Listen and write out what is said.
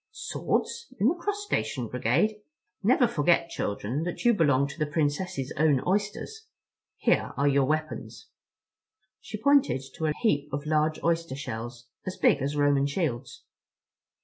"Swords? In the Crustacean Brigade? Never forget, children, that you belong to the Princess's Own Oysters. Here are your weapons." She pointed to a heap of large oyster shells, as big as Roman shields.